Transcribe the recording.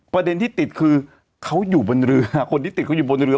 ประเด็นที่ติดคือเขาอยู่บนเรือคนที่ติดเขาอยู่บนเรือ